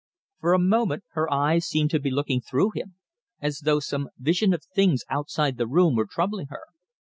For a moment her eyes seemed to be looking through him, as though some vision of things outside the room were troubling her.